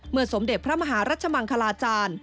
สมเด็จพระมหารัชมังคลาจารย์